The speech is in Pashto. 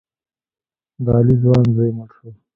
د علي ځوان زوی مړ شو.